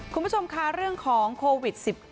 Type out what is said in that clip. คุณผู้ชมค่ะเรื่องของโควิด๑๙